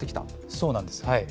そうなんです。